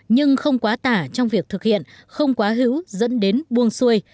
nhưng không quá tả trong việc thực hiện không quá hữu dẫn đến buông xuôi